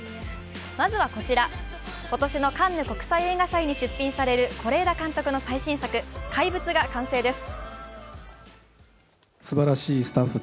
まずはこちら、今年のカンヌ国際映画祭に出品される是枝監督の最新作「怪物」が完成です。